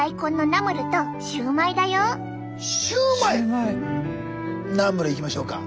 ナムルいきましょうか。